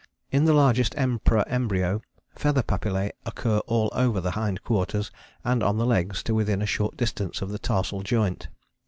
"In the largest Emperor embryo feather papillae occur all over the hind quarters and on the legs to within a short distance of the tarsal joint.